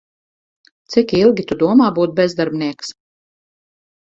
Cik ilgi Tu domā būt bezdarbnieks?